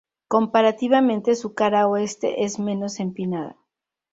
Comparativamente su cara oeste es menos empinada.